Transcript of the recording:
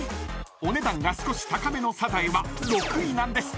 お値段が少し高めのサザエは６位なんです］